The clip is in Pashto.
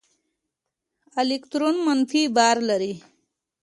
الکترون منفي بار لري.